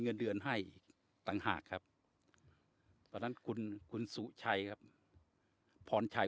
เงินเดือนให้ต่างหากครับตอนนั้นคุณคุณสุชัยครับพรชัย